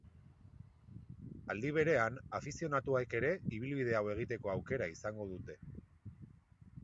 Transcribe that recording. Aldi berean, afizionatuek ere ibilbide hau egiteko aukera izango dute.